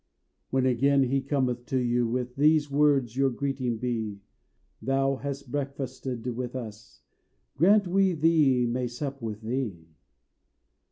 "When again he cometh to you, With these words your greeting be: 'Thou hast breakfasted with us, Grant we three may sup with Thee!'"